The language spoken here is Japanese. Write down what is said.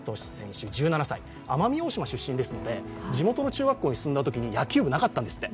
奄美大島出身ですので、地元中学校に進んだときに野球部がなかったんですてっ。